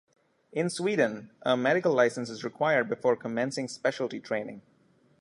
In Sweden, a medical license is required before commencing specialty training.